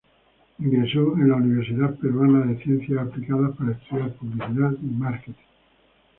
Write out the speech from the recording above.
Ingresó a la Universidad Peruana de Ciencias Aplicadas para estudiar Publicidad y Marketing.